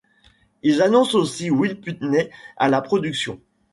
Ils annoncent aussi Will Putney à la production.